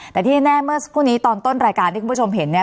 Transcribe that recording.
แต่ที่แน่เมื่อสักครู่นี้ตอนต้นรายการที่คุณผู้ชมเห็นเนี่ย